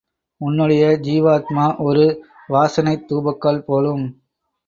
உன்னுடைய ஜீவாத்மா ஒரு வாசனைத் தூபக்கால் போலும்.